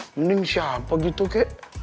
mending siapa gitu kek